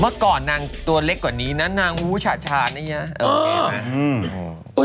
เมื่อก่อนนางตัวเล็กกว่านี้นะนางวูชาชานี่นะ